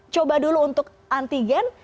coba dulu untuk antigen